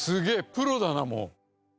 プロだなもう。